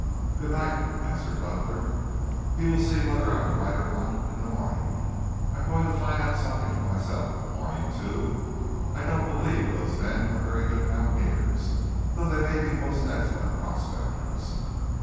"Good night," answered Butler. "He will see whether I am right or not in the morning. I am going to find out something for myself in the morning, too. I don't believe those men are very good mountaineers, though they may be most excellent prospectors."